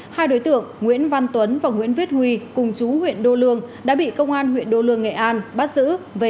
hai đối tượng nguyễn văn tuấn và nguyễn viết huy cùng chú huyện đô lương đã bị công an huyện đô lương nghệ an bắt giữ